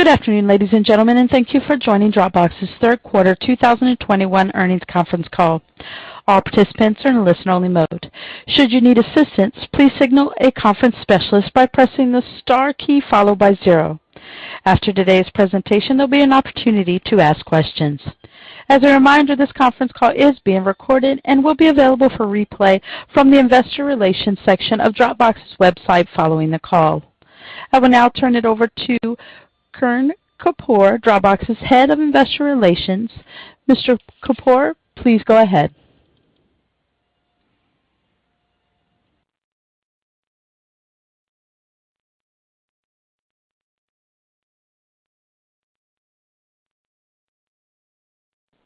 Good afternoon, ladies and gentlemen, and thank you for joining Dropbox's third quarter 2021 earnings conference call. All participants are in listen only mode. Should you need assistance, please signal a conference specialist by pressing the star key followed by zero. After today's presentation, there'll be an opportunity to ask questions. As a reminder, this conference call is being recorded and will be available for replay from the investor relations section of Dropbox's website following the call. I will now turn it over to Kern Kapoor, Dropbox's Head of Investor Relations. Mr. Kapoor, please go ahead.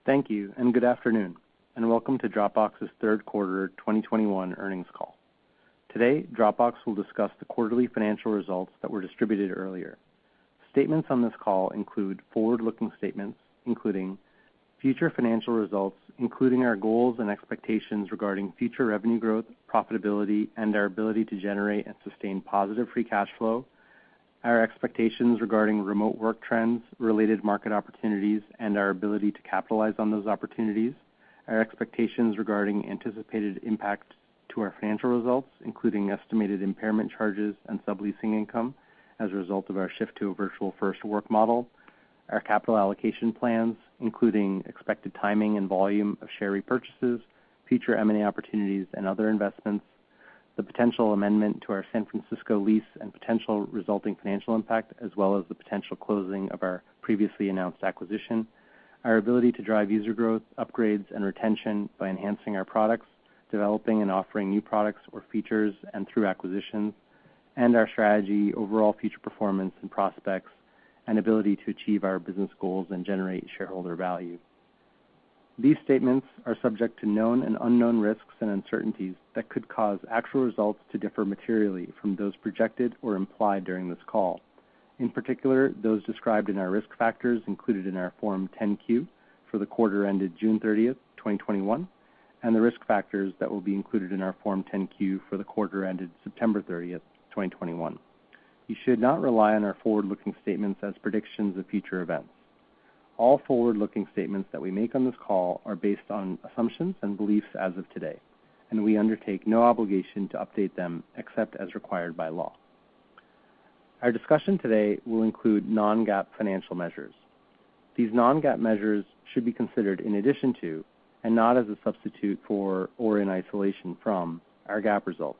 Thank you, and good afternoon, and welcome to Dropbox's third quarter 2021 earnings call. Today, Dropbox will discuss the quarterly financial results that were distributed earlier. Statements on this call include forward-looking statements, including future financial results, including our goals and expectations regarding future revenue growth, profitability, and our ability to generate and sustain positive free cash flow, our expectations regarding remote work trends, related market opportunities, and our ability to capitalize on those opportunities, our expectations regarding anticipated impact to our financial results, including estimated impairment charges and subleasing income as a result of our shift to a Virtual First work model, our capital allocation plans, including expected timing and volume of share repurchases, future M&A opportunities and other investments, the potential amendment to our San Francisco lease and potential resulting financial impact, as well as the potential closing of our previously announced acquisition. Our ability to drive user growth, upgrades and retention by enhancing our products, developing and offering new products or features and through acquisitions, and our strategy, overall future performance and prospects, and ability to achieve our business goals and generate shareholder value. These statements are subject to known and unknown risks and uncertainties that could cause actual results to differ materially from those projected or implied during this call. In particular, those described in our risk factors included in our Form 10-Q for the quarter ended June 30, 2021, and the risk factors that will be included in our Form 10-Q for the quarter ended September 30th, 2021. You should not rely on our forward-looking statements as predictions of future events. All forward-looking statements that we make on this call are based on assumptions and beliefs as of today, and we undertake no obligation to update them except as required by law. Our discussion today will include non-GAAP financial measures. These non-GAAP measures should be considered in addition to and not as a substitute for, or in isolation from, our GAAP results.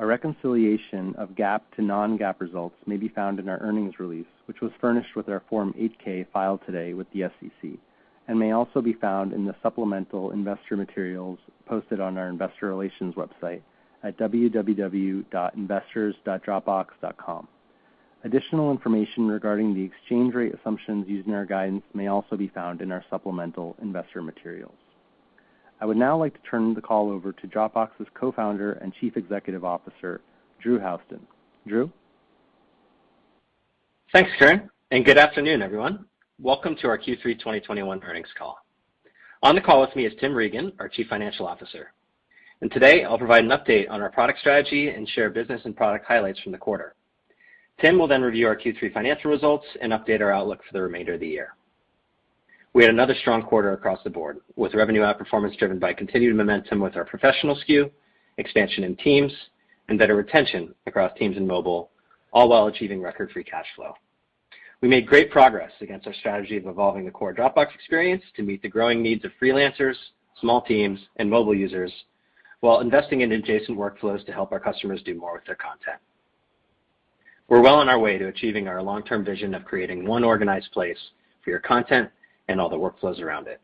A reconciliation of GAAP to non-GAAP results may be found in our earnings release, which was furnished with our Form 8-K filed today with the SEC, and may also be found in the supplemental investor materials posted on our investor relations website at www.investors.dropbox.com. Additional information regarding the exchange rate assumptions used in our guidance may also be found in our supplemental investor materials. I would now like to turn the call over to Dropbox's Co-Founder and Chief Executive Officer, Drew Houston. Drew? Thanks, Kern, and good afternoon, everyone. Welcome to our Q3 2021 earnings call. On the call with me is Tim Regan, our Chief Financial Officer. Today I'll provide an update on our product strategy and share business and product highlights from the quarter. Tim will then review our Q3 financial results and update our outlook for the remainder of the year. We had another strong quarter across the board, with revenue outperformance driven by continued momentum with our Professional SKU, expansion in teams, and better retention across teams and mobile, all while achieving record free cash flow. We made great progress against our strategy of evolving the core Dropbox experience to meet the growing needs of freelancers, small teams, and mobile users, while investing in adjacent workflows to help our customers do more with their content. We're well on our way to achieving our long-term vision of creating one organized place for your content and all the workflows around it.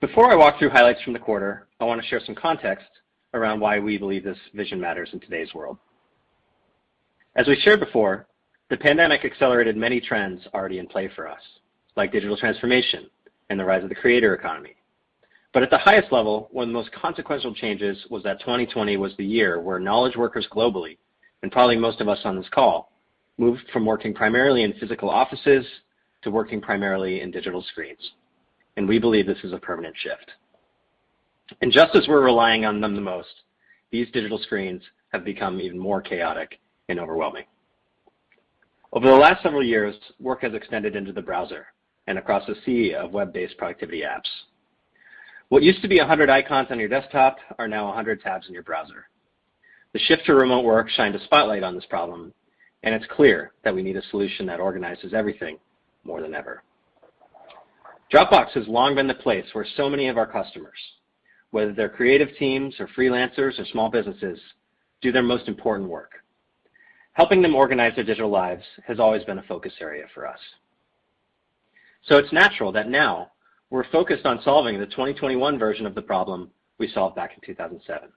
Before I walk through highlights from the quarter, I want to share some context around why we believe this vision matters in today's world. As we shared before, the pandemic accelerated many trends already in play for us, like digital transformation and the rise of the creator economy. At the highest level, one of the most consequential changes was that 2020 was the year where knowledge workers globally, and probably most of us on this call, moved from working primarily in physical offices to working primarily in digital screens. We believe this is a permanent shift. Just as we're relying on them the most, these digital screens have become even more chaotic and overwhelming. Over the last several years, work has extended into the browser and across a sea of web-based productivity apps. What used to be 100 icons on your desktop are now 100 tabs in your browser. The shift to remote work shined a spotlight on this problem, and it's clear that we need a solution that organizes everything more than ever. Dropbox has long been the place where so many of our customers, whether they're creative teams or freelancers or small businesses, do their most important work. Helping them organize their digital lives has always been a focus area for us. It's natural that now we're focused on solving the 2021 version of the problem we solved back in 2007.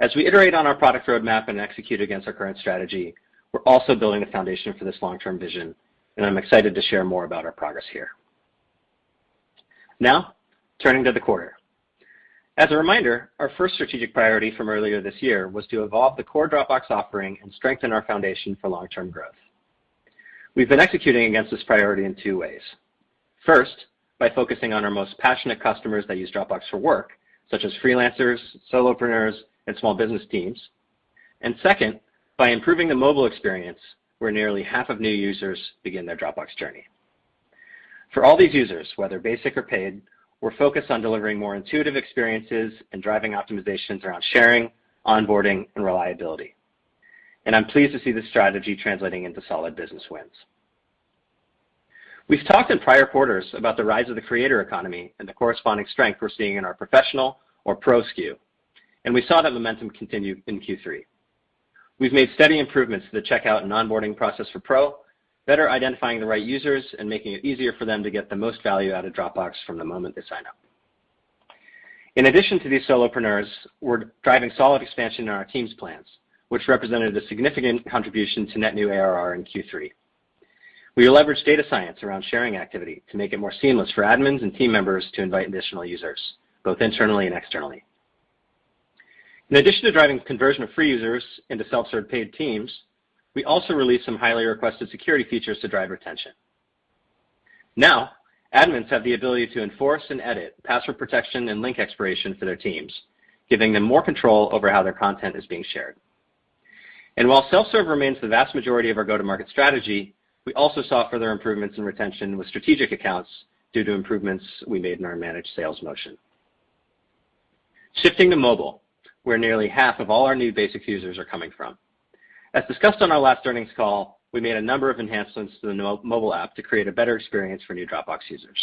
As we iterate on our product roadmap and execute against our current strategy, we're also building a foundation for this long-term vision, and I'm excited to share more about our progress here. Now, turning to the quarter. As a reminder, our first strategic priority from earlier this year was to evolve the core Dropbox offering and strengthen our foundation for long-term growth. We've been executing against this priority in two ways. First, by focusing on our most passionate customers that use Dropbox for work, such as freelancers, solopreneurs, and small business teams. Second, by improving the mobile experience, where nearly half of new users begin their Dropbox journey. For all these users, whether basic or paid, we're focused on delivering more intuitive experiences and driving optimizations around sharing, onboarding, and reliability. I'm pleased to see this strategy translating into solid business wins. We've talked in prior quarters about the rise of the creator economy and the corresponding strength we're seeing in our Professional or Pro SKU, and we saw that momentum continue in Q3. We've made steady improvements to the checkout and onboarding process for Pro, better identifying the right users, and making it easier for them to get the most value out of Dropbox from the moment they sign up. In addition to these solopreneurs, we're driving solid expansion in our Teams plans, which represented a significant contribution to net new ARR in Q3. We leveraged data science around sharing activity to make it more seamless for admins and team members to invite additional users, both internally and externally. In addition to driving conversion of free users into self-serve paid teams, we also released some highly requested security features to drive retention. Now, admins have the ability to enforce and edit password protection and link expiration for their teams, giving them more control over how their content is being shared. While self-serve remains the vast majority of our go-to-market strategy, we also saw further improvements in retention with strategic accounts due to improvements we made in our managed sales motion. Shifting to mobile, where nearly half of all our new basic users are coming from. As discussed on our last earnings call, we made a number of enhancements to the new mobile app to create a better experience for new Dropbox users.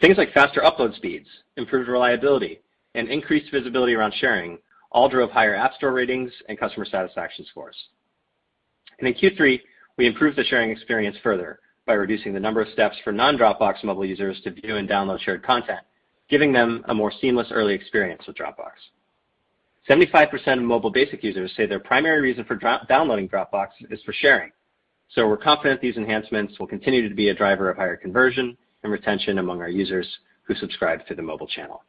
Things like faster upload speeds, improved reliability, and increased visibility around sharing all drove higher app store ratings and customer satisfaction scores. In Q3, we improved the sharing experience further by reducing the number of steps for non-Dropbox mobile users to view and download shared content, giving them a more seamless early experience with Dropbox. 75% of mobile basic users say their primary reason for downloading Dropbox is for sharing. We're confident these enhancements will continue to be a driver of higher conversion and retention among our users who subscribe to the mobile channel.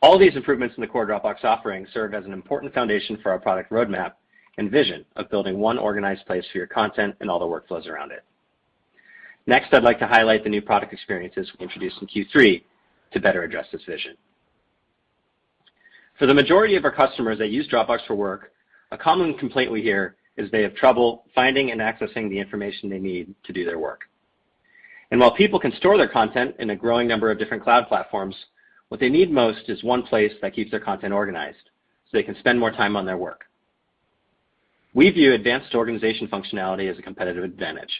All these improvements in the core Dropbox offering serve as an important foundation for our product roadmap and vision of building one organized place for your content and all the workflows around it. Next, I'd like to highlight the new product experiences we introduced in Q3 to better address this vision. For the majority of our customers that use Dropbox for work, a common complaint we hear is they have trouble finding and accessing the information they need to do their work. While people can store their content in a growing number of different cloud platforms, what they need most is one place that keeps their content organized, so they can spend more time on their work. We view advanced organization functionality as a competitive advantage,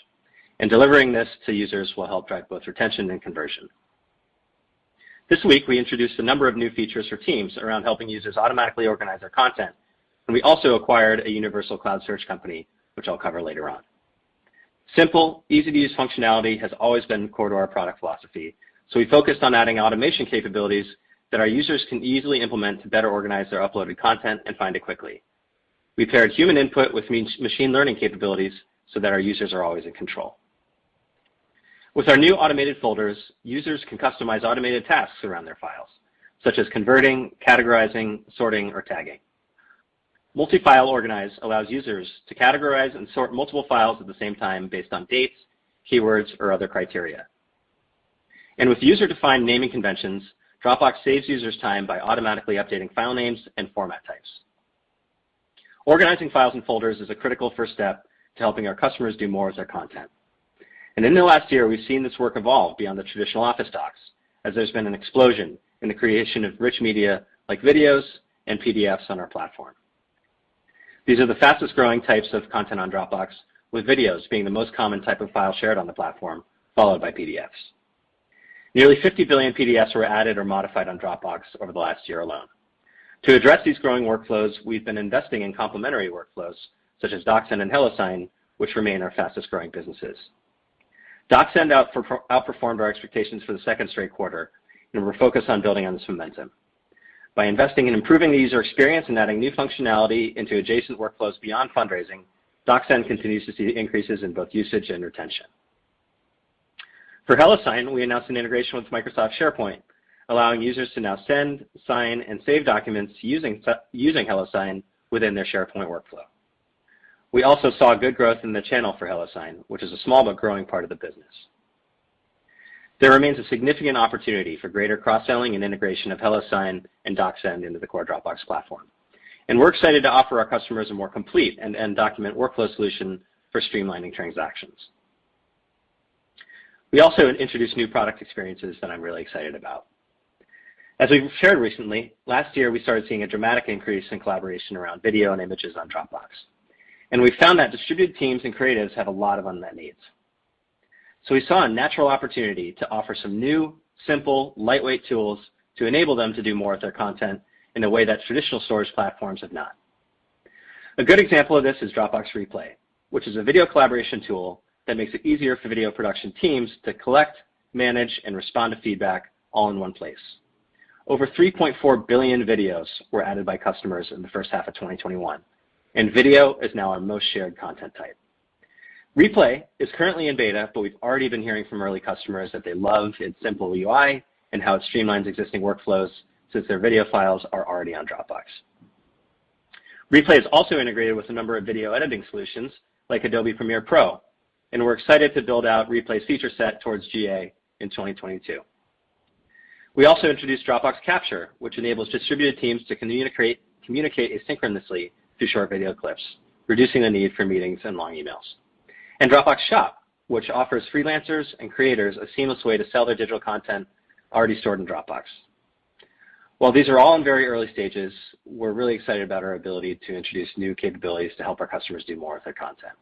and delivering this to users will help drive both retention and conversion. This week, we introduced a number of new features for teams around helping users automatically organize their content, and we also acquired a universal cloud search company, which I'll cover later on. Simple, easy-to-use functionality has always been core to our product philosophy, so we focused on adding automation capabilities that our users can easily implement to better organize their uploaded content and find it quickly. We paired human input with machine learning capabilities so that our users are always in control. With our new automated folders, users can customize automated tasks around their files, such as converting, categorizing, sorting, or tagging. Multi-file organize allows users to categorize and sort multiple files at the same time based on dates, keywords, or other criteria. With user-defined naming conventions, Dropbox saves users time by automatically updating file names and format types. Organizing files and folders is a critical first step to helping our customers do more with their content. In the last year, we've seen this work evolve beyond the traditional Office docs, as there's been an explosion in the creation of rich media like videos and PDFs on our platform. These are the fastest-growing types of content on Dropbox, with videos being the most common type of file shared on the platform, followed by PDFs. Nearly 50 billion PDFs were added or modified on Dropbox over the last year alone. To address these growing workflows, we've been investing in complementary workflows, such as DocSend and HelloSign, which remain our fastest-growing businesses. DocSend outperformed our expectations for the second straight quarter, and we're focused on building on this momentum. By investing in improving the user experience and adding new functionality into adjacent workflows beyond fundraising, DocSend continues to see increases in both usage and retention. For HelloSign, we announced an integration with Microsoft SharePoint, allowing users to now send, sign, and save documents using HelloSign within their SharePoint workflow. We also saw good growth in the channel for HelloSign, which is a small but growing part of the business. There remains a significant opportunity for greater cross-selling and integration of HelloSign and DocSend into the core Dropbox platform, and we're excited to offer our customers a more complete end-to-end document workflow solution for streamlining transactions. We also introduced new product experiences that I'm really excited about. As we've shared recently, last year, we started seeing a dramatic increase in collaboration around video and images on Dropbox, and we found that distributed teams and creatives have a lot of unmet needs. We saw a natural opportunity to offer some new, simple, lightweight tools to enable them to do more with their content in a way that traditional storage platforms have not. A good example of this is Dropbox Replay, which is a video collaboration tool that makes it easier for video production teams to collect, manage, and respond to feedback all in one place. Over 3.4 billion videos were added by customers in the first half of 2021, and video is now our most shared content type. Replay is currently in beta, but we've already been hearing from early customers that they love its simple UI and how it streamlines existing workflows since their video files are already on Dropbox. Replay is also integrated with a number of video editing solutions like Adobe Premiere Pro, and we're excited to build out Replay's feature set towards GA in 2022. We also introduced Dropbox Capture, which enables distributed teams to communicate asynchronously through short video clips, reducing the need for meetings and long emails. Dropbox Shop, which offers freelancers and creators a seamless way to sell their digital content already stored in Dropbox. While these are all in very early stages, we're really excited about our ability to introduce new capabilities to help our customers do more with their content.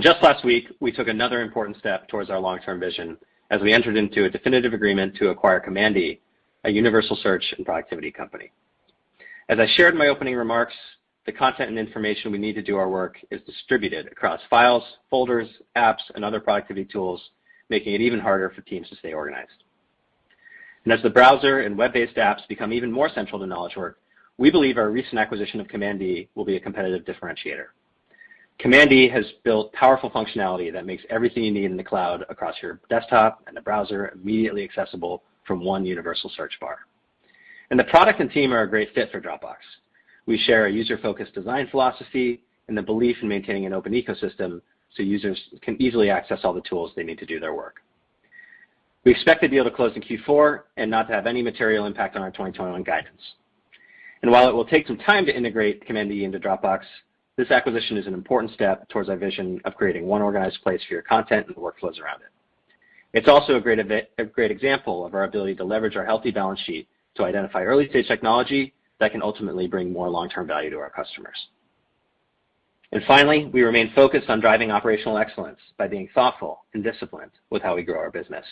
Just last week, we took another important step towards our long-term vision as we entered into a definitive agreement to acquire Command E, a universal search and productivity company. As I shared in my opening remarks, the content and information we need to do our work is distributed across files, folders, apps, and other productivity tools, making it even harder for teams to stay organized. As the browser and web-based apps become even more central to knowledge work, we believe our recent acquisition of Command E will be a competitive differentiator. Command E has built powerful functionality that makes everything you need in the cloud across your desktop and the browser immediately accessible from one universal search bar. The product and team are a great fit for Dropbox. We share a user-focused design philosophy and the belief in maintaining an open ecosystem so users can easily access all the tools they need to do their work. We expect the deal to close in Q4 and not to have any material impact on our 2021 guidance. While it will take some time to integrate Command E into Dropbox, this acquisition is an important step towards our vision of creating one organized place for your content and the workflows around it. It's also a great example of our ability to leverage our healthy balance sheet to identify early-stage technology that can ultimately bring more long-term value to our customers. Finally, we remain focused on driving operational excellence by being thoughtful and disciplined with how we grow our business.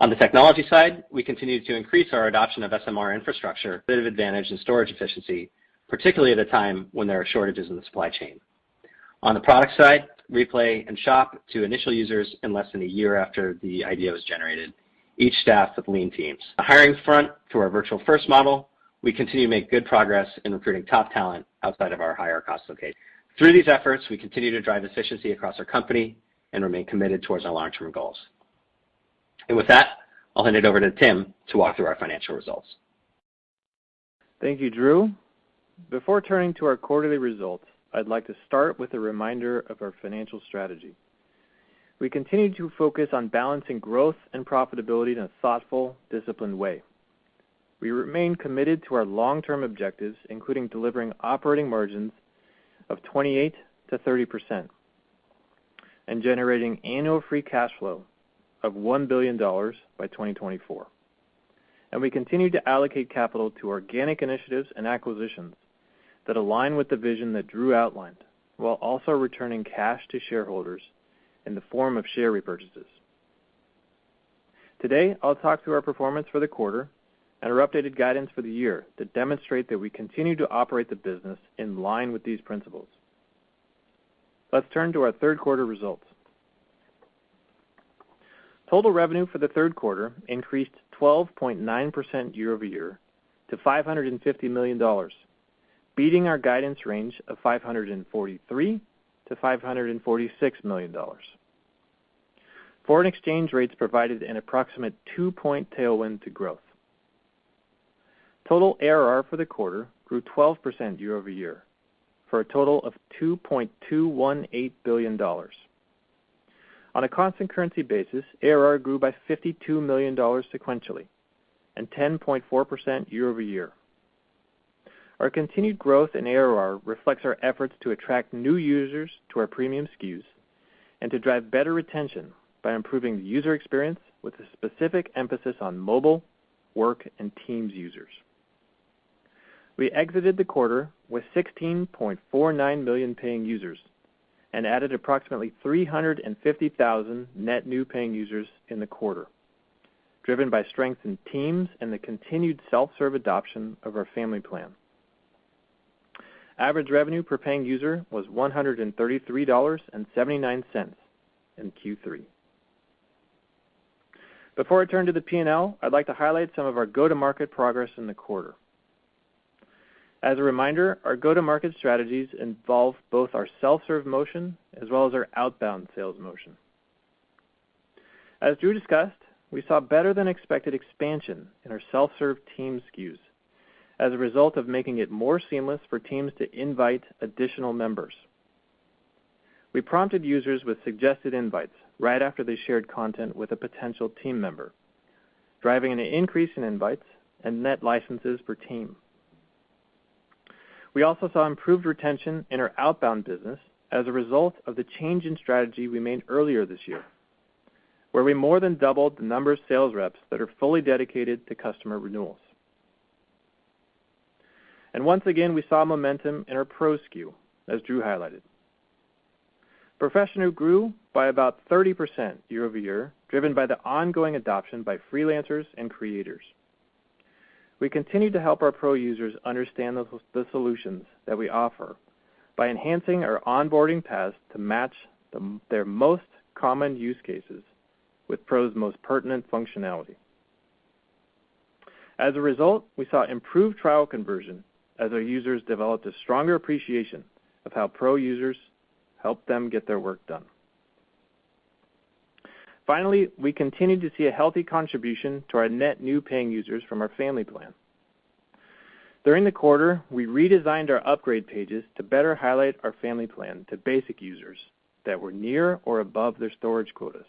On the technology side, we continue to increase our adoption of SMR infrastructure, bit of advantage in storage efficiency, particularly at a time when there are shortages in the supply chain. On the product side, Replay and Shop to initial users in less than a year after the idea was generated, each staffed with lean teams. On the hiring front to our Virtual First model, we continue to make good progress in recruiting top talent outside of our higher cost location. Through these efforts, we continue to drive efficiency across our company and remain committed toward our long-term goals. With that, I'll hand it over to Tim to walk through our financial results. Thank you, Drew. Before turning to our quarterly results, I'd like to start with a reminder of our financial strategy. We continue to focus on balancing growth and profitability in a thoughtful, disciplined way. We remain committed to our long-term objectives, including delivering operating margins of 28%-30% and generating annual free cash flow of $1 billion by 2024. We continue to allocate capital to organic initiatives and acquisitions that align with the vision that Drew outlined, while also returning cash to shareholders in the form of share repurchases. Today, I'll talk through our performance for the quarter and our updated guidance for the year to demonstrate that we continue to operate the business in line with these principles. Let's turn to our third quarter results. Total revenue for the third quarter increased 12.9% year-over-year to $550 million, beating our guidance range of $543 million-$546 million. Foreign exchange rates provided an approximate two-point tailwind to growth. Total ARR for the quarter grew 12% year-over-year for a total of $2.218 billion. On a constant currency basis, ARR grew by $52 million sequentially and 10.4% year-over-year. Our continued growth in ARR reflects our efforts to attract new users to our premium SKUs and to drive better retention by improving the user experience with a specific emphasis on mobile, work, and Teams users. We exited the quarter with 16.49 million paying users and added approximately 350,000 net new paying users in the quarter, driven by strength in Teams and the continued self-serve adoption of our family plan. Average revenue per paying user was $133.79 in Q3. Before I turn to the P&L, I'd like to highlight some of our go-to-market progress in the quarter. As a reminder, our go-to-market strategies involve both our self-serve motion as well as our outbound sales motion. As Drew discussed, we saw better than expected expansion in our self-serve team SKUs as a result of making it more seamless for teams to invite additional members. We prompted users with suggested invites right after they shared content with a potential team member, driving an increase in invites and net licenses per team. We also saw improved retention in our outbound business as a result of the change in strategy we made earlier this year, where we more than doubled the number of sales reps that are fully dedicated to customer renewals. Once again, we saw momentum in our Professional SKU, as Drew Houston highlighted. Professional grew by about 30% year-over-year, driven by the ongoing adoption by freelancers and creators. We continue to help our Professional users understand the solutions that we offer by enhancing our onboarding paths to match their most common use cases with Professional's most pertinent functionality. As a result, we saw improved trial conversion as our users developed a stronger appreciation of how Professional users help them get their work done. Finally, we continue to see a healthy contribution to our net new paying users from our family plan. During the quarter, we redesigned our upgrade pages to better highlight our family plan to basic users that were near or above their storage quotas,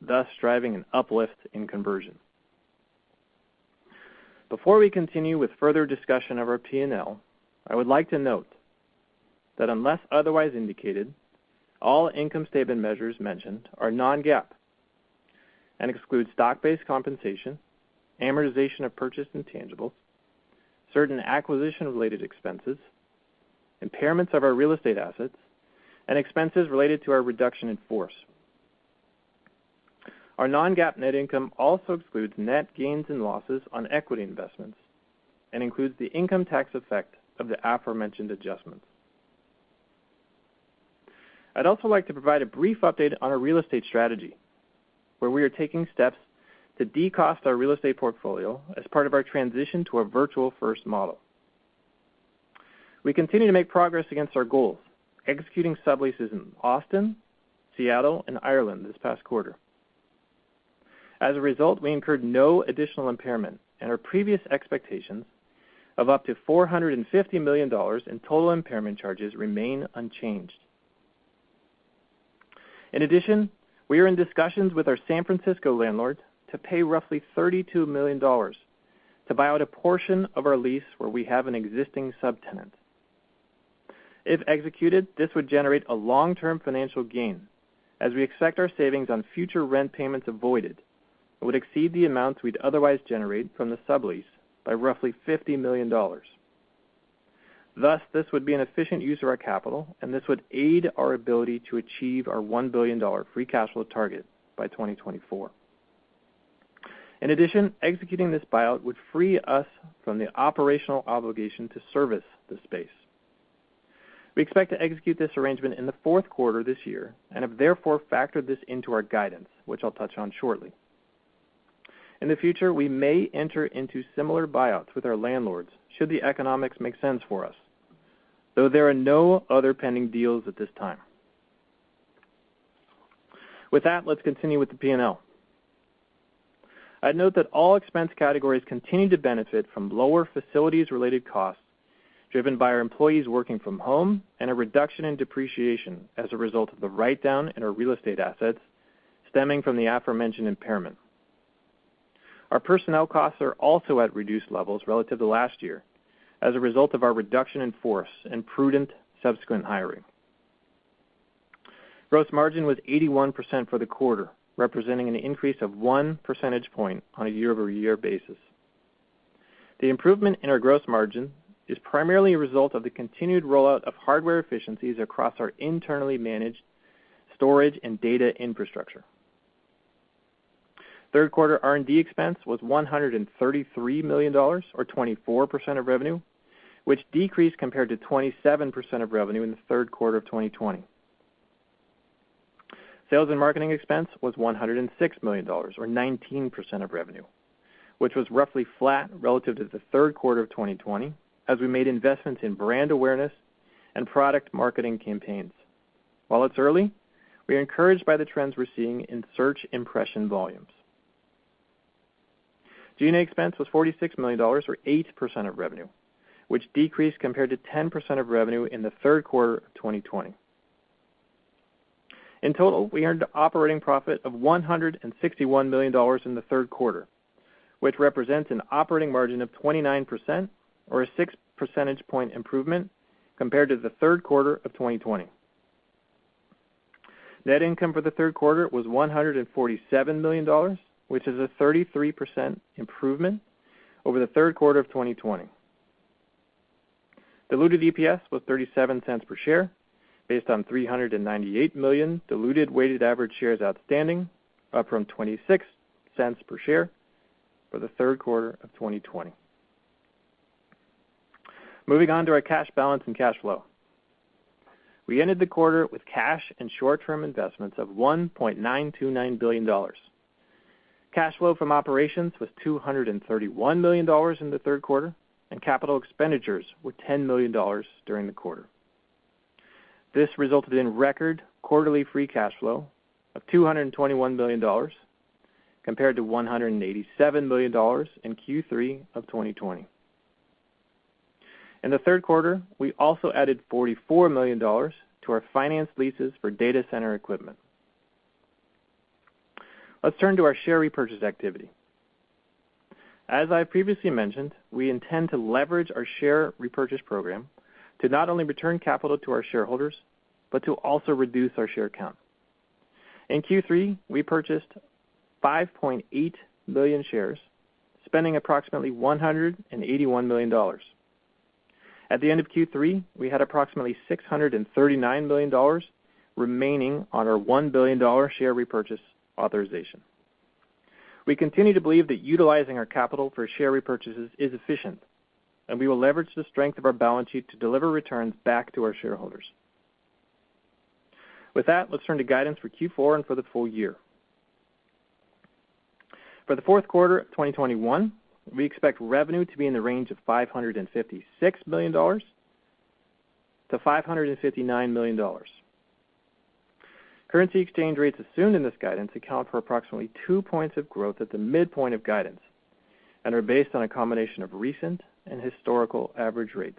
thus driving an uplift in conversion. Before we continue with further discussion of our P&L, I would like to note that unless otherwise indicated, all income statement measures mentioned are non-GAAP and exclude stock-based compensation, amortization of purchased intangibles, certain acquisition-related expenses, impairments of our real estate assets, and expenses related to our reduction in force. Our non-GAAP net income also excludes net gains and losses on equity investments and includes the income tax effect of the aforementioned adjustments. I'd also like to provide a brief update on our real estate strategy, where we are taking steps to de-cost our real estate portfolio as part of our transition to a Virtual First model. We continue to make progress against our goals, executing subleases in Austin, Seattle, and Ireland this past quarter. As a result, we incurred no additional impairment, and our previous expectations of up to $450 million in total impairment charges remain unchanged. In addition, we are in discussions with our San Francisco landlord to pay roughly $32 million to buy out a portion of our lease where we have an existing subtenant. If executed, this would generate a long-term financial gain, as we expect our savings on future rent payments avoided would exceed the amounts we'd otherwise generate from the sublease by roughly $50 million. Thus, this would be an efficient use of our capital, and this would aid our ability to achieve our $1 billion free cash flow target by 2024. In addition, executing this buyout would free us from the operational obligation to service the space. We expect to execute this arrangement in the fourth quarter this year and have therefore factored this into our guidance, which I'll touch on shortly. In the future, we may enter into similar buyouts with our landlords should the economics make sense for us, though there are no other pending deals at this time. With that, let's continue with the P&L. I'd note that all expense categories continue to benefit from lower facilities-related costs, driven by our employees working from home and a reduction in depreciation as a result of the write-down in our real estate assets stemming from the aforementioned impairment. Our personnel costs are also at reduced levels relative to last year as a result of our reduction in force and prudent subsequent hiring. Gross margin was 81% for the quarter, representing an increase of 1 percentage point on a year-over-year basis. The improvement in our gross margin is primarily a result of the continued rollout of hardware efficiencies across our internally managed storage and data infrastructure. Third quarter R&D expense was $133 million, or 24% of revenue, which decreased compared to 27% of revenue in the third quarter of 2020. Sales and marketing expense was $106 million, or 19% of revenue, which was roughly flat relative to the third quarter of 2020 as we made investments in brand awareness and product marketing campaigns. While it's early, we are encouraged by the trends we're seeing in search impression volumes. G&A expense was $46 million, or 8% of revenue, which decreased compared to 10% of revenue in the third quarter of 2020. In total, we earned operating profit of $161 million in the third quarter, which represents an operating margin of 29% or a six percentage point improvement compared to the third quarter of 2020. Net income for the third quarter was $147 million, which is a 33% improvement over the third quarter of 2020. Diluted EPS was $0.37 per share based on 398 million diluted weighted average shares outstanding, up from $0.26 per share for the third quarter of 2020. Moving on to our cash balance and cash flow. We ended the quarter with cash and short-term investments of $1.929 billion. Cash flow from operations was $231 million in the third quarter, and capital expenditures were $10 million during the quarter. This resulted in record quarterly free cash flow of $221 million compared to $187 million in Q3 of 2020. In the third quarter, we also added $44 million to our finance leases for data center equipment. Let's turn to our share repurchase activity. As I previously mentioned, we intend to leverage our share repurchase program to not only return capital to our shareholders, but to also reduce our share count. In Q3, we purchased 5.8 million shares, spending approximately $181 million. At the end of Q3, we had approximately $639 million remaining on our $1 billion share repurchase authorization. We continue to believe that utilizing our capital for share repurchases is efficient, and we will leverage the strength of our balance sheet to deliver returns back to our shareholders. With that, let's turn to guidance for Q4 and for the full year. For the fourth quarter of 2021, we expect revenue to be in the range of $556 million-$559 million. Currency exchange rates assumed in this guidance account for approximately two points of growth at the midpoint of guidance and are based on a combination of recent and historical average rates.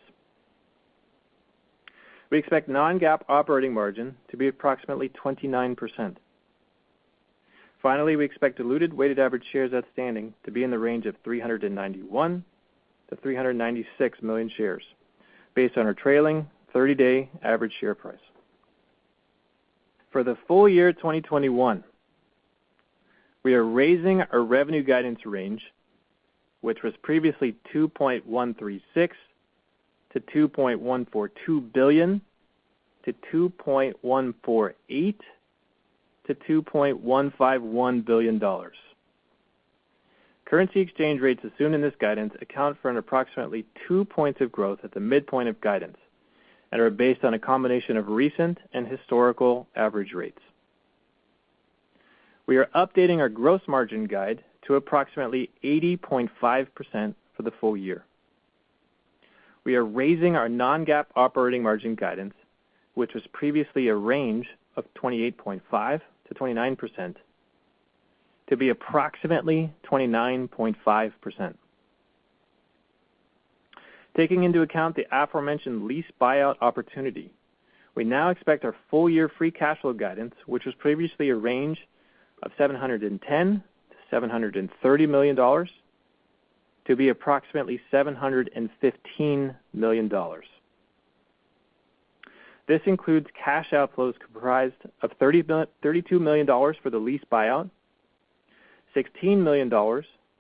We expect non-GAAP operating margin to be approximately 29%. Finally, we expect diluted weighted average shares outstanding to be in the range of 391-396 million shares based on our trailing thirty-day average share price. For the full year 2021, we are raising our revenue guidance range, which was previously $2.136 billion-$2.142 billion to $2.148 billion-$2.151 billion. Currency exchange rates assumed in this guidance account for an approximately two points of growth at the midpoint of guidance and are based on a combination of recent and historical average rates. We are updating our gross margin guide to approximately 80.5% for the full year. We are raising our non-GAAP operating margin guidance, which was previously a range of 28.5%-29% to be approximately 29.5%. Taking into account the aforementioned lease buyout opportunity, we now expect our full year free cash flow guidance, which was previously a range of $710 million-$730 million, to be approximately $715 million. This includes cash outflows comprised of $32 million for the lease buyout, $16 million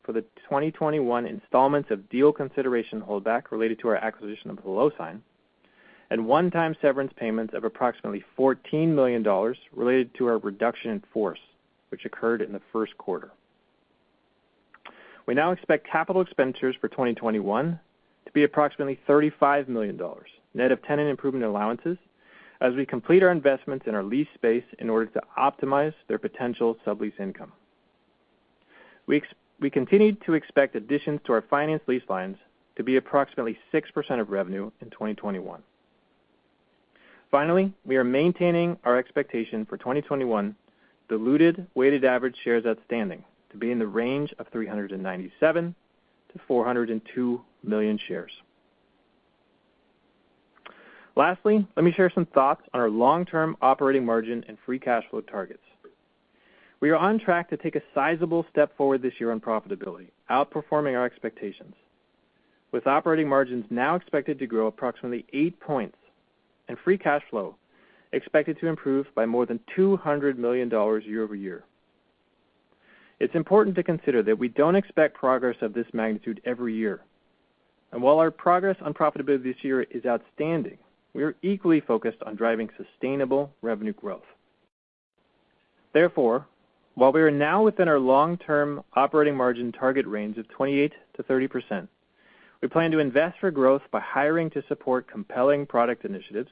for the 2021 installments of deal consideration holdback related to our acquisition of HelloSign, and one-time severance payments of approximately $14 million related to our reduction in force, which occurred in the first quarter. We now expect capital expenditures for 2021 to be approximately $35 million net of tenant improvement allowances as we complete our investments in our lease space in order to optimize their potential sublease income. We continue to expect additions to our finance lease lines to be approximately 6% of revenue in 2021. Finally, we are maintaining our expectation for 2021 diluted weighted average shares outstanding to be in the range of 397-402 million shares. Lastly, let me share some thoughts on our long-term operating margin and free cash flow targets. We are on track to take a sizable step forward this year on profitability, outperforming our expectations, with operating margins now expected to grow approximately eight points and free cash flow expected to improve by more than $200 million year-over-year. It's important to consider that we don't expect progress of this magnitude every year. While our progress on profitability this year is outstanding, we are equally focused on driving sustainable revenue growth. Therefore, while we are now within our long-term operating margin target range of 28%-30%, we plan to invest for growth by hiring to support compelling product initiatives,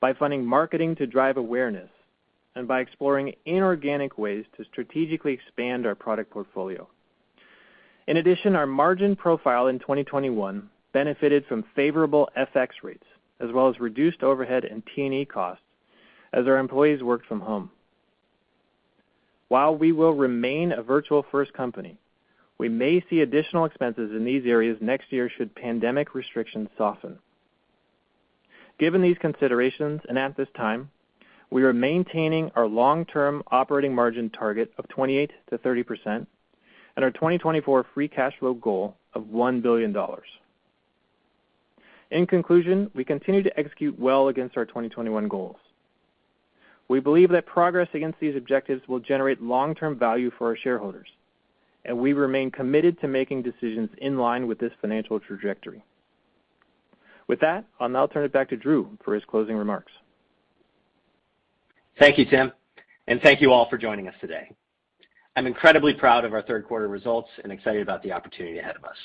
by funding marketing to drive awareness, and by exploring inorganic ways to strategically expand our product portfolio. In addition, our margin profile in 2021 benefited from favorable FX rates as well as reduced overhead and T&E costs as our employees worked from home. While we will remain a Virtual First company, we may see additional expenses in these areas next year should pandemic restrictions soften. Given these considerations, and at this time, we are maintaining our long-term operating margin target of 28%-30% and our 2024 free cash flow goal of $1 billion. In conclusion, we continue to execute well against our 2021 goals. We believe that progress against these objectives will generate long-term value for our shareholders, and we remain committed to making decisions in line with this financial trajectory. With that, I'll now turn it back to Drew for his closing remarks. Thank you, Tim, and thank you all for joining us today. I'm incredibly proud of our third quarter results and excited about the opportunity ahead of us.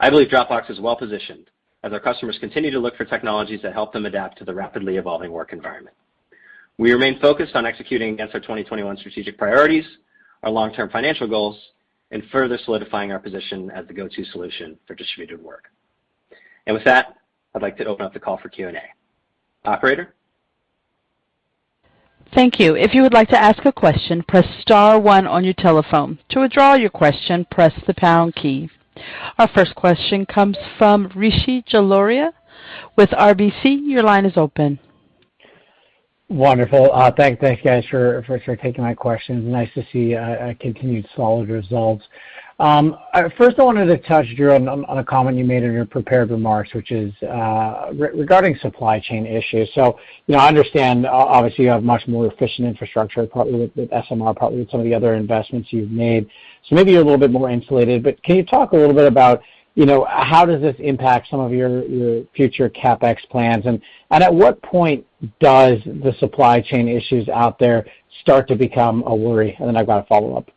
I believe Dropbox is well positioned as our customers continue to look for technologies that help them adapt to the rapidly evolving work environment. We remain focused on executing against our 2021 strategic priorities, our long-term financial goals, and further solidifying our position as the go-to solution for distributed work. With that, I'd like to open up the call for Q&A. Operator? Thank you. Our first question comes from Rishi Jaluria with RBC. Your line is open. Wonderful. Thank you guys for taking my questions. Nice to see continued solid results. First I wanted to touch, Drew, on a comment you made in your prepared remarks, which is regarding supply chain issues. You know, I understand obviously you have much more efficient infrastructure, probably with SMR, probably with some of the other investments you've made. Maybe you're a little bit more insulated, but can you talk a little bit about, you know, how does this impact some of your future CapEx plans? At what point does the supply chain issues out there start to become a worry? I've got a follow-up.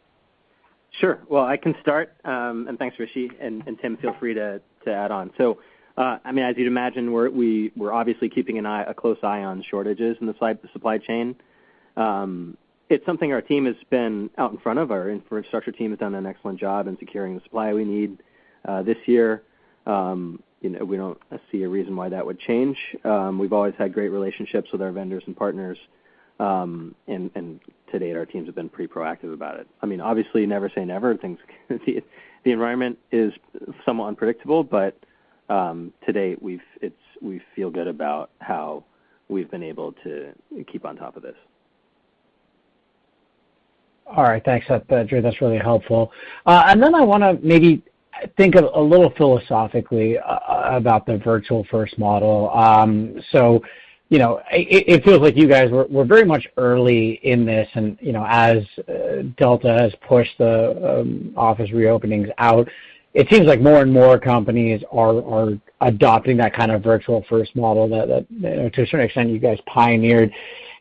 Sure. Well, I can start. Thanks, Rishi, and Tim, feel free to add on. I mean, as you'd imagine, we're obviously keeping a close eye on shortages in the supply chain. It's something our team has been out in front of. Our infrastructure team has done an excellent job in securing the supply we need this year. You know, we don't see a reason why that would change. We've always had great relationships with our vendors and partners, and to date our teams have been pretty proactive about it. I mean, obviously, never say never. Things can change. The environment is somewhat unpredictable, but to date, we feel good about how we've been able to keep on top of this. All right. Thanks, Drew. That's really helpful. I wanna maybe think a little philosophically about the Virtual First model. You know, it feels like you guys were very much early in this and, you know, as Delta has pushed the office reopenings out, it seems like more and more companies are adopting that kind of Virtual First model that, you know, to a certain extent, you guys pioneered.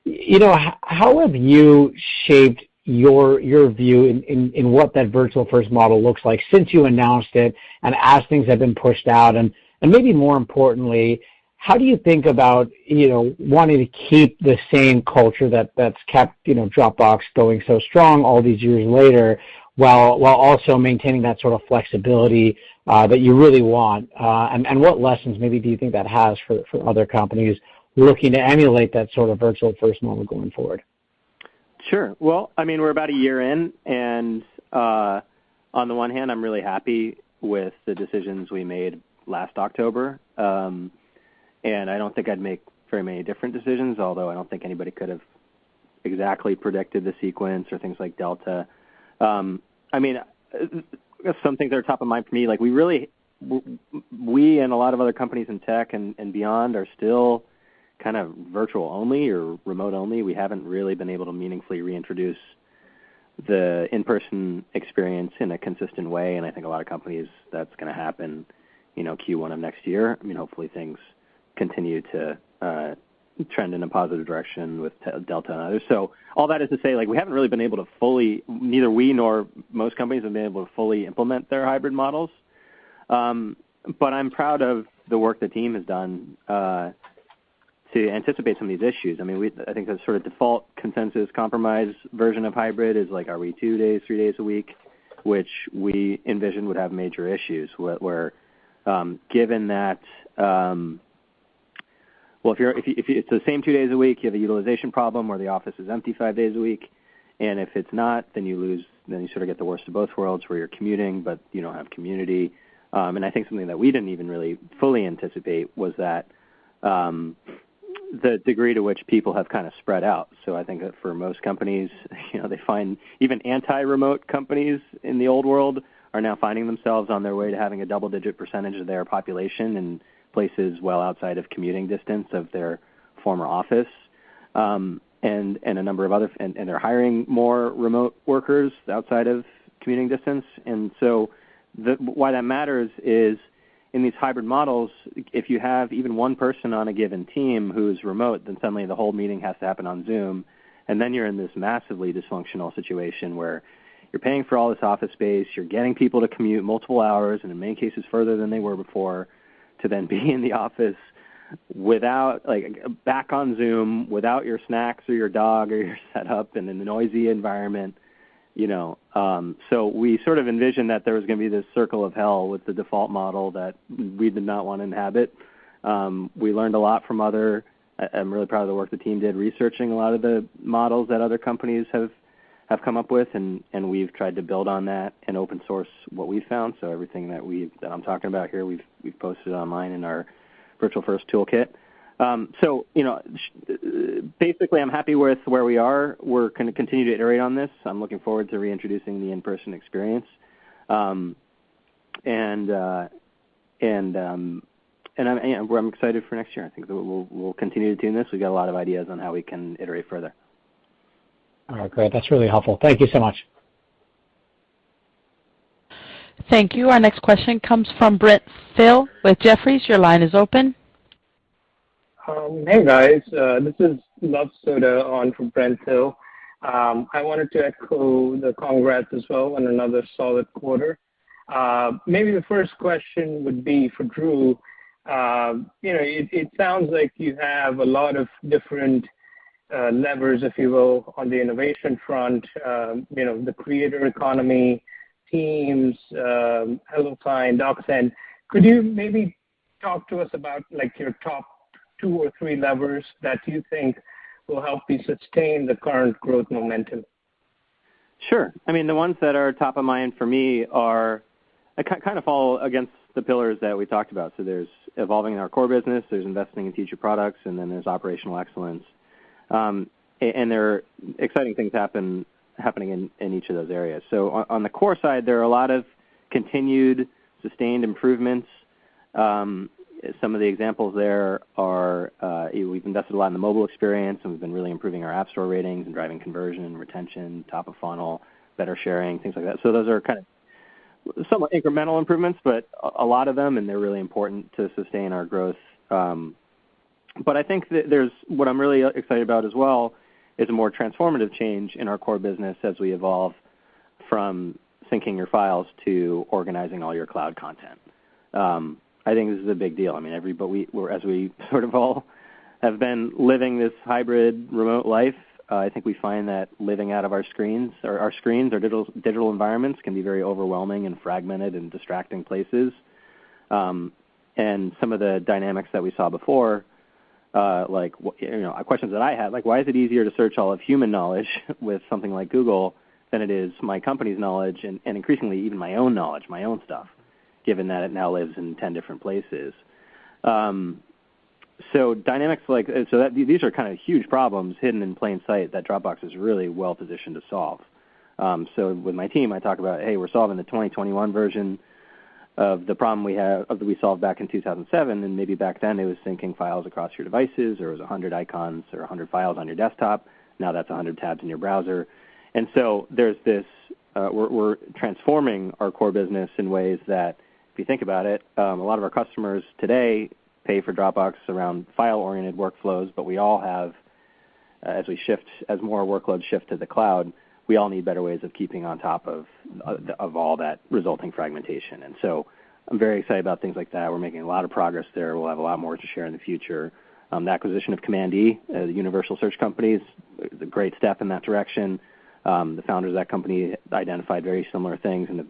You know, how have you shaped your view in what that Virtual First model looks like since you announced it and as things have been pushed out? Maybe more importantly, how do you think about, you know, wanting to keep the same culture that that's kept, you know, Dropbox going so strong all these years later, while also maintaining that sort of flexibility that you really want? What lessons maybe do you think that has for other companies looking to emulate that sort of Virtual First model going forward? Sure. Well, I mean, we're about a year in, and on the one hand, I'm really happy with the decisions we made last October. I don't think I'd make very many different decisions, although I don't think anybody could have exactly predicted the sequence or things like Delta. I mean, some things that are top of mind for me, like we really and a lot of other companies in tech and beyond are still kind of virtual only or remote only. We haven't really been able to meaningfully reintroduce the in-person experience in a consistent way, and I think a lot of companies, that's gonna happen, you know, Q1 of next year. I mean, hopefully things continue to trend in a positive direction with Delta and others. All that is to say, like we haven't really been able to fully, neither we nor most companies have been able to fully implement their hybrid models. I mean, I'm proud of the work the team has done to anticipate some of these issues. I mean, I think the sort of default consensus compromise version of hybrid is like, are we two days, three days a week, which we envisioned would have major issues where, given that. Well, if you, if it's the same two days a week, you have a utilization problem where the office is empty five days a week, and if it's not, then you sort of get the worst of both worlds where you're commuting, but you don't have community. I think something that we didn't even really fully anticipate was that the degree to which people have kind of spread out. I think for most companies, you know, they find even anti-remote companies in the old world are now finding themselves on their way to having a double-digit percentage of their population in places well outside of commuting distance of their former office, and they're hiring more remote workers outside of commuting distance. Why that matters is in these hybrid models, if you have even one person on a given team who's remote, then suddenly the whole meeting has to happen on Zoom, and then you're in this massively dysfunctional situation where you're paying for all this office space, you're getting people to commute multiple hours, and in many cases further than they were before, to then be in the office without like back on Zoom, without your snacks or your dog or your setup and in a noisy environment, you know. We sort of envisioned that there was gonna be this circle of hell with the default model that we did not want to inhabit. We learned a lot from other. I'm really proud of the work the team did researching a lot of the models that other companies have come up with, and we've tried to build on that and open source what we found. Everything that I'm talking about here, we've posted online in our Virtual First toolkit. You know, basically, I'm happy with where we are. We're gonna continue to iterate on this. I'm looking forward to reintroducing the in-person experience. You know, I'm excited for next year. I think we'll continue to do this. We've got a lot of ideas on how we can iterate further. All right, great. That's really helpful. Thank you so much. Thank you. Our next question comes from Brent Thill with Jefferies. Your line is open. Hey, guys. This is Luv Sodha on for Brent Thill. I wanted to echo the congrats as well on another solid quarter. Maybe the first question would be for Drew. You know, it sounds like you have a lot of different levers, if you will, on the innovation front, you know, the creator economy teams, HelloSign, DocSend. Could you maybe talk to us about like your top two or three levers that you think will help you sustain the current growth momentum? Sure. I mean, the ones that are top of mind for me are kind of all against the pillars that we talked about. There's evolving in our core business, there's investing in future products, and then there's operational excellence. And there are exciting things happening in each of those areas. On the core side, there are a lot of continued sustained improvements. Some of the examples there are, we've invested a lot in the mobile experience, and we've been really improving our app store ratings and driving conversion, retention, top of funnel, better sharing, things like that. Those are kind of some incremental improvements, but a lot of them, and they're really important to sustain our growth. I think that there's What I'm really excited about as well is a more transformative change in our core business as we evolve from syncing your files to organizing all your cloud content. I think this is a big deal. As we sort of all have been living this hybrid remote life, I think we find that living out of our screens or digital environments can be very overwhelming and fragmented and distracting places, and some of the dynamics that we saw before, like, you know, questions that I had, like, why is it easier to search all of human knowledge with something like Google than it is my company's knowledge and increasingly even my own knowledge, my own stuff, given that it now lives in 10 different places, so dynamics like These are kind of huge problems hidden in plain sight that Dropbox is really well-positioned to solve. With my team, I talk about, "Hey, we're solving the 2021 version of the problem that we solved back in 2007, and maybe back then it was syncing files across your devices, or it was 100 icons or 100 files on your desktop. Now that's 100 tabs in your browser." There's this, we're transforming our core business in ways that if you think about it, a lot of our customers today pay for Dropbox around file-oriented workflows, but we all have, as more workloads shift to the cloud, we all need better ways of keeping on top of all that resulting fragmentation. I'm very excited about things like that. We're making a lot of progress there. We'll have a lot more to share in the future. The acquisition of Command E, a universal search company, is a great step in that direction. The founders of that company identified very similar things and have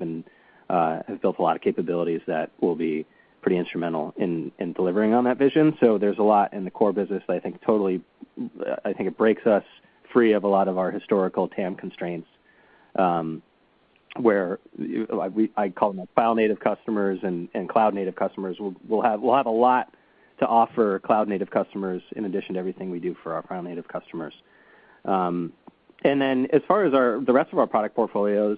built a lot of capabilities that will be pretty instrumental in delivering on that vision. There's a lot in the core business that I think totally, I think it breaks us free of a lot of our historical TAM constraints, where, like, I call them file-native customers and cloud-native customers. We'll have a lot to offer cloud-native customers in addition to everything we do for our file-native customers. As far as the rest of our product portfolio,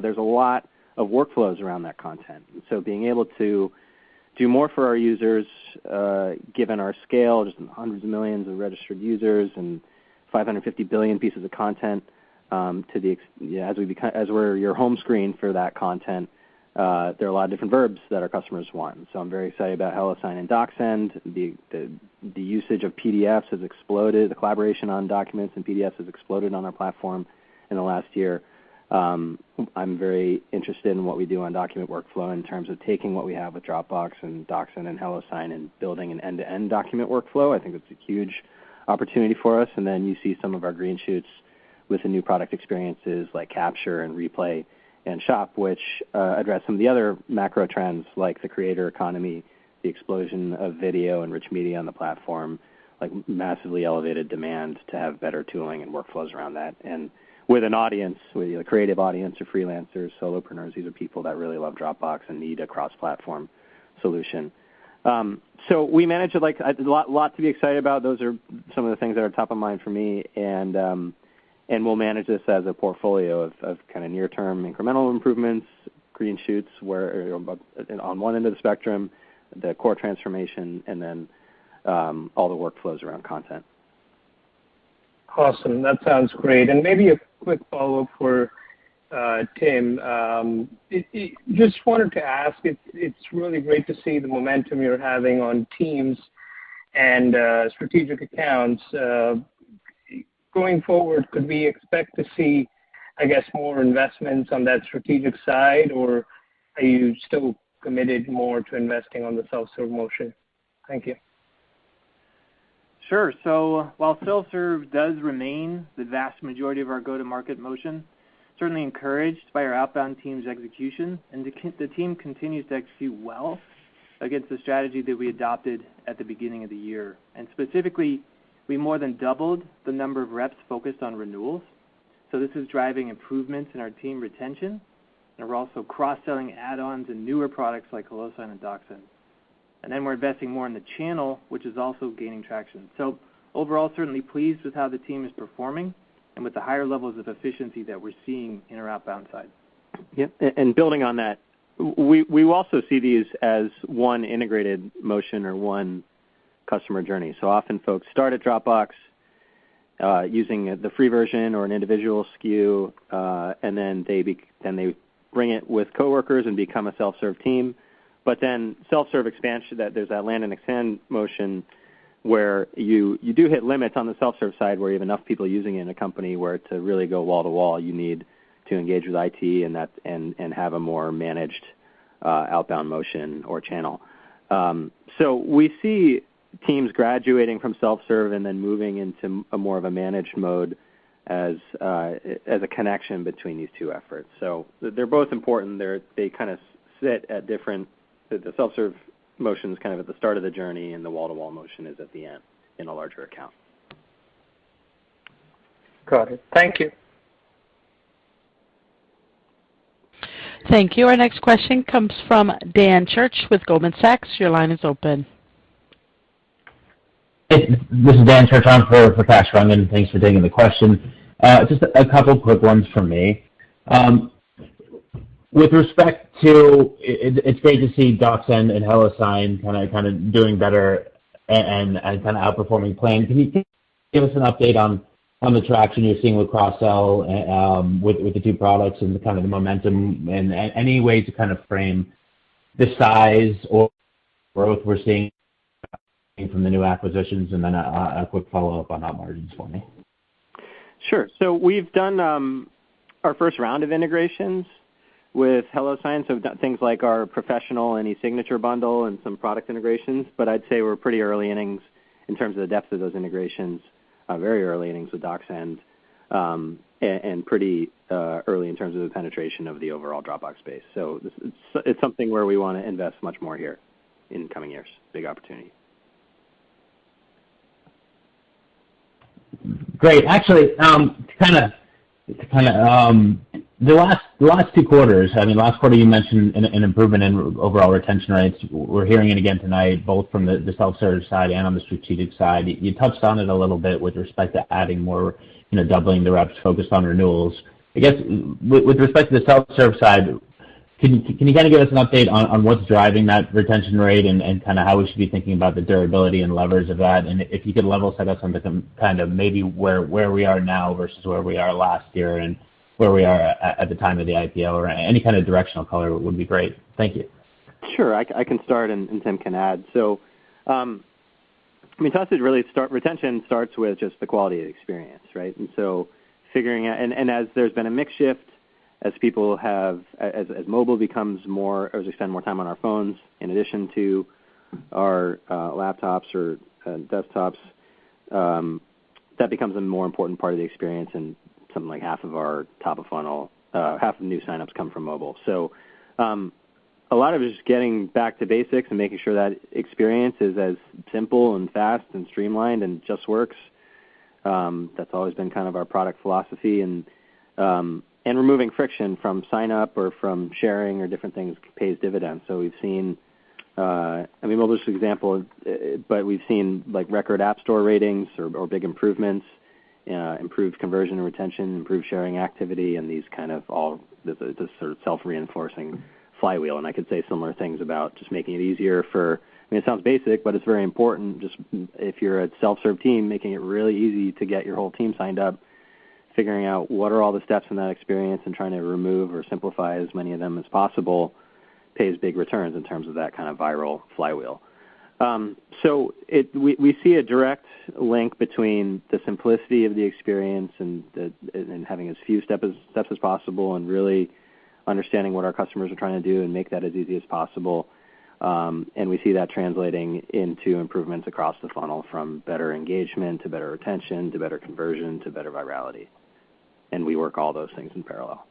there's a lot of workflows around that content. Being able to do more for our users, given our scale, just hundreds of millions of registered users and 550 billion pieces of content, as we're your home screen for that content, there are a lot of different verbs that our customers want. I'm very excited about HelloSign and DocSend. The usage of PDFs has exploded. The collaboration on documents and PDFs has exploded on our platform in the last year. I'm very interested in what we do on document workflow in terms of taking what we have with Dropbox and DocSend and HelloSign and building an end-to-end document workflow. I think it's a huge opportunity for us. You see some of our green shoots with the new product experiences like Capture and Replay and Shop, which address some of the other macro trends like the creator economy, the explosion of video and rich media on the platform, like massively elevated demand to have better tooling and workflows around that. With an audience, with a creative audience of freelancers, solopreneurs, these are people that really love Dropbox and need a cross-platform solution. We manage it like a lot to be excited about. Those are some of the things that are top of mind for me, and we'll manage this as a portfolio of kind of near-term incremental improvements, green shoots, where on one end of the spectrum, the core transformation, and then all the workflows around content. Awesome. That sounds great. Maybe a quick follow-up for Tim. Just wanted to ask, it's really great to see the momentum you're having on teams and strategic accounts. Going forward, could we expect to see, I guess, more investments on that strategic side, or are you still committed more to investing on the self-serve motion? Thank you. Sure. While self-serve does remain the vast majority of our go-to-market motion, certainly encouraged by our outbound team's execution, and the team continues to execute well against the strategy that we adopted at the beginning of the year. Specifically, we more than doubled the number of reps focused on renewals. This is driving improvements in our team retention. We're also cross-selling add-ons and newer products like HelloSign and DocSend. Then we're investing more in the channel, which is also gaining traction. Overall, certainly pleased with how the team is performing and with the higher levels of efficiency that we're seeing in our outbound side. Yep. Building on that, we also see these as one integrated motion or one customer journey. Often folks start at Dropbox using the free version or an individual SKU, and then they bring it with coworkers and become a self-serve team. Then self-serve expansion. There's that land and expand motion where you do hit limits on the self-serve side, where you have enough people using it in a company, and to really go wall-to-wall, you need to engage with IT and have a more managed outbound motion or channel. We see teams graduating from self-serve and then moving into a more of a managed mode as a connection between these two efforts. They're both important. The self-serve motion's kind of at the start of the journey, and the wall-to-wall motion is at the end in a larger account. Got it. Thank you. Thank you. Our next question comes from Dan Church with Goldman Sachs. Your line is open. This is Dan Church on for Kash Rangan. Thanks for taking the question. Just a couple quick ones from me. With respect to, it's great to see DocSend and HelloSign kind of doing better and kind of outperforming plan. Can you give us an update on the traction you're seeing with cross-sell with the two products and the kind of the momentum and any way to kind of frame the size or growth we're seeing from the new acquisitions, and then a quick follow-up on how margins for me. Sure. We've done our first round of integrations with HelloSign. We've done things like our Professional eSignature bundle and some product integrations. I'd say we're pretty early innings in terms of the depth of those integrations, very early innings with DocSend, and pretty early in terms of the penetration of the overall Dropbox space. This is something where we wanna invest much more here in coming years. Big opportunity. Great. Actually, to kind of the last two quarters, I mean, last quarter you mentioned an improvement in overall retention rates. We're hearing it again tonight, both from the self-service side and on the strategic side. You touched on it a little bit with respect to adding more, you know, doubling the reps focused on renewals. I guess with respect to the self-serve side, can you kind of give us an update on what's driving that retention rate and kind of how we should be thinking about the durability and levers of that? If you could level set us on the kind of maybe where we are now versus where we are last year and where we are at the time of the IPO or any kind of directional color would be great. Thank you. Sure. I can start and Tim can add. I mean, retention starts with just the quality of the experience, right? As there's been a mix shift, as people have as mobile becomes more, or as we spend more time on our phones in addition to our laptops or desktops, that becomes a more important part of the experience and something like half of our top of funnel, half the new signups come from mobile. A lot of it is getting back to basics and making sure that experience is as simple and fast and streamlined and just works. That's always been kind of our product philosophy. Removing friction from sign up or from sharing or different things pays dividends. We've seen. I mean, we'll list examples, but we've seen like record app store ratings or big improvements, improved conversion and retention, improved sharing activity, and these kind of all the sort of self-reinforcing flywheel. I could say similar things about just making it easier for. I mean, it sounds basic, but it's very important just if you're a self-serve team, making it really easy to get your whole team signed up, figuring out what are all the steps in that experience and trying to remove or simplify as many of them as possible pays big returns in terms of that kind of viral flywheel. We see a direct link between the simplicity of the experience and having as few steps as possible and really understanding what our customers are trying to do and make that as easy as possible. We see that translating into improvements across the funnel from better engagement to better retention to better conversion to better virality, and we work all those things in parallel.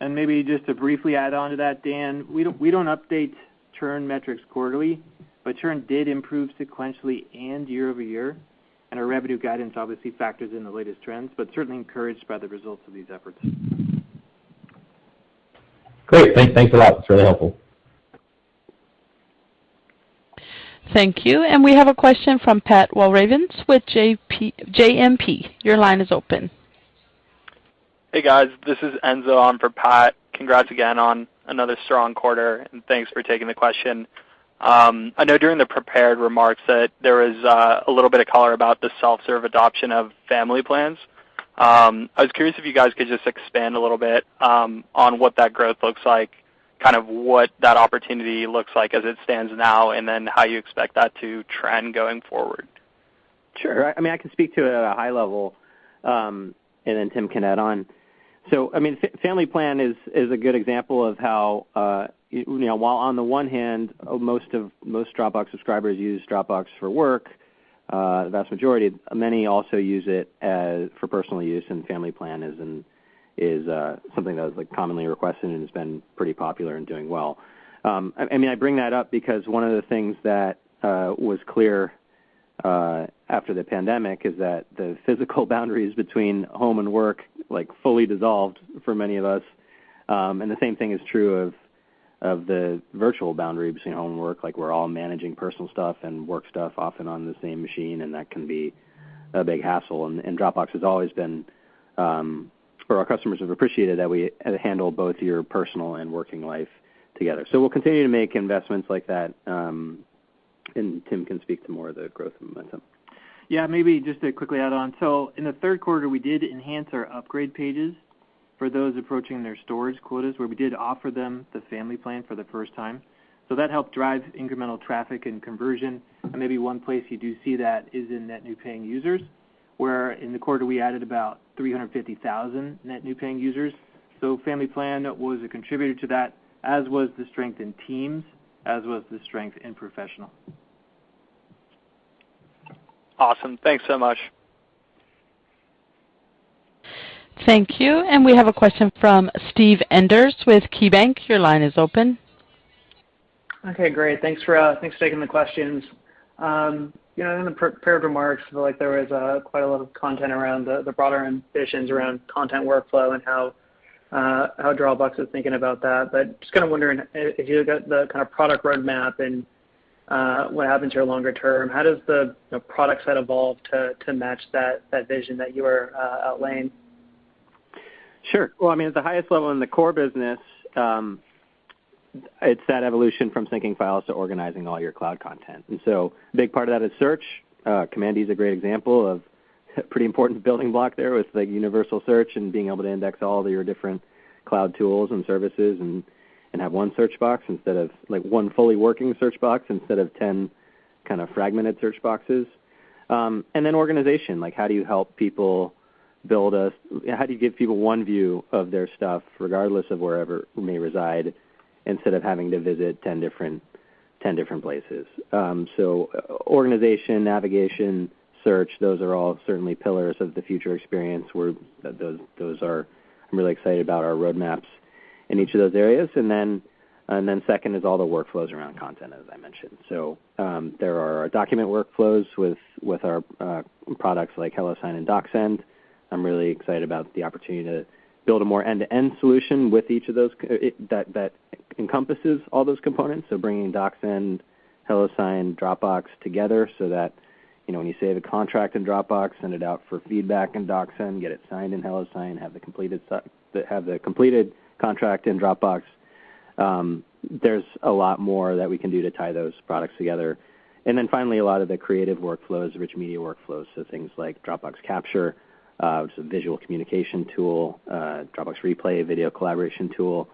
Maybe just to briefly add on to that, Dan, we don't update churn metrics quarterly, but churn did improve sequentially and year over year, and our revenue guidance obviously factors in the latest trends, but certainly encouraged by the results of these efforts. Great. Thanks a lot. It's really helpful. Thank you. We have a question from Pat Walravens with JMP. Your line is open. Hey, guys. This is Enzo on for Pat. Congrats again on another strong quarter, and thanks for taking the question. I know during the prepared remarks that there was a little bit of color about the self-serve adoption of family plans. I was curious if you guys could just expand a little bit on what that growth looks like, kind of what that opportunity looks like as it stands now, and then how you expect that to trend going forward. Sure. I mean, I can speak to it at a high level, and then Tim can add on. I mean, family plan is a good example of how, you know, while on the one hand, most Dropbox subscribers use Dropbox for work, the vast majority, many also use it for personal use, and family plan is something that was, like, commonly requested and has been pretty popular and doing well. I mean I bring that up because one of the things that was clear after the pandemic is that the physical boundaries between home and work, like fully dissolved for many of us. And the same thing is true of the virtual boundary between home and work. Like, we're all managing personal stuff and work stuff often on the same machine, and that can be a big hassle. Dropbox has always been, or our customers have appreciated that we handle both your personal and working life together. We'll continue to make investments like that, and Tim can speak to more of the growth momentum. Yeah, maybe just to quickly add on. In the third quarter, we did enhance our upgrade pages for those approaching their storage quotas, where we did offer them the family plan for the first time. That helped drive incremental traffic and conversion. Maybe one place you do see that is in net new paying users, where in the quarter we added about 350,000 net new paying users. Family plan was a contributor to that, as was the strength in teams, as was the strength in Professional. Awesome. Thanks so much. Thank you. We have a question from Steve Enders with KeyBanc. Your line is open. Okay, great. Thanks for taking the questions. You know, in the pre-prepared remarks, like there was quite a lot of content around the broader ambitions around content workflow and how Dropbox is thinking about that. Just kinda wondering, if you look at the kind of product roadmap and what happens here longer term, how does the product set evolve to match that vision that you are outlining? Sure. Well, I mean, at the highest level in the core business, it's that evolution from syncing files to organizing all your cloud content. A big part of that is search. Command E is a great example of pretty important building block there with the universal search and being able to index all of your different cloud tools and services and have one fully working search box instead of 10 kinda fragmented search boxes. Organization, like how do you give people one view of their stuff regardless of wherever it may reside, instead of having to visit 10 different places. Organization, navigation, search, those are all certainly pillars of the future experience, where those are. I'm really excited about our roadmaps in each of those areas. Second is all the workflows around content, as I mentioned. There are our document workflows with our products like HelloSign and DocSend. I'm really excited about the opportunity to build a more end-to-end solution with each of those that encompasses all those components. Bringing DocSend, HelloSign, Dropbox together so that when you save a contract in Dropbox, send it out for feedback in DocSend, get it signed in HelloSign, have the completed contract in Dropbox. There's a lot more that we can do to tie those products together. Finally, a lot of the creative workflows, rich media workflows, so things like Dropbox Capture, which is a visual communication tool, Dropbox Replay, video collaboration tool,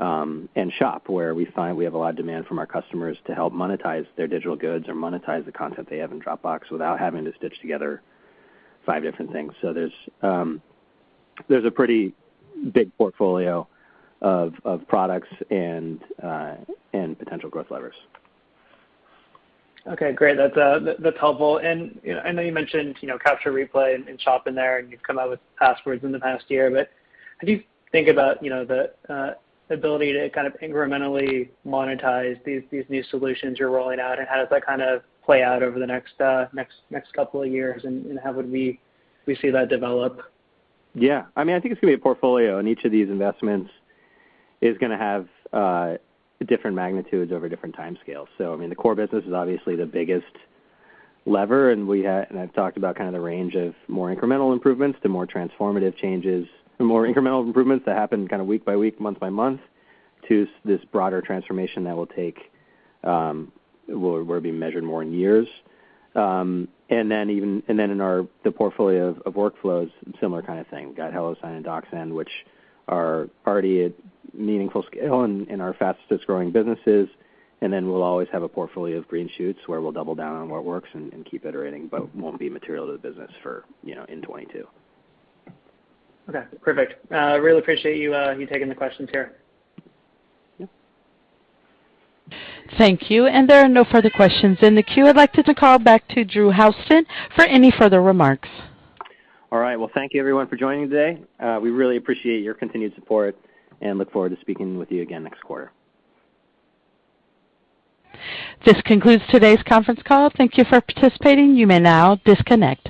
and Shop, where we find we have a lot of demand from our customers to help monetize their digital goods or monetize the content they have in Dropbox without having to stitch together five different things. There's a pretty big portfolio of products and potential growth levers. Okay, great. That's helpful. You know, I know you mentioned, you know, Capture, Replay, and Shop in there, and you've come out with Passwords in the past year. But how do you think about, you know, the ability to kind of incrementally monetize these new solutions you're rolling out, and how does that kinda play out over the next couple of years, and how would we see that develop? Yeah. I mean, I think it's gonna be a portfolio, and each of these investments is gonna have different magnitudes over different timescales. I mean, the core business is obviously the biggest lever, and I've talked about kinda the range of more incremental improvements to more transformative changes, more incremental improvements that happen kinda week-by-week, month-by-month, to this broader transformation that will take will be measured more in years. Then in our the portfolio of workflows, similar kinda thing. Got HelloSign and DocSend, which are already at meaningful scale and in our fastest-growing businesses. We'll always have a portfolio of green shoots, where we'll double down on what works and keep iterating, but won't be material to the business for, you know, in 2022. Okay, perfect. Really appreciate you taking the questions here. Yeah. Thank you. There are no further questions in the queue. I'd like to call back to Drew Houston for any further remarks. All right. Well, thank you everyone for joining today. We really appreciate your continued support and look forward to speaking with you again next quarter. This concludes today's conference call. Thank you for participating. You may now disconnect.